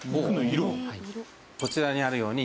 こちらにあるように。